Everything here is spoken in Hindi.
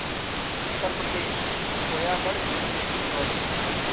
उत्तर प्रदेश-खोया गढ़ जीतने की चुनौती